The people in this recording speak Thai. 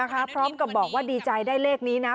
นะคะพร้อมกับบอกดีใจได้เลขนี้นะ